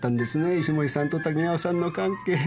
石森さんと滝川さんの関係。